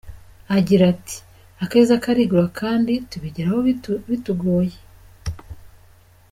Agira ati “Akeza karigura kandi tubigeraho bitugoye.